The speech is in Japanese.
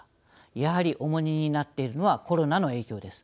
やはり重荷になっているのはコロナの影響です。